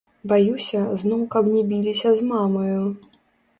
Баюся, зноў каб не біліся з мамаю.